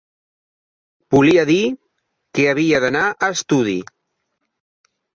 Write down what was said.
Volia dir, que havia d'anar a estudi.